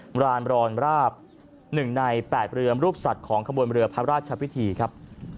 บราณรอนราบ๑ใน๘เรือมรูปสัตว์ของขบวนเรือพระราชพิธีครับ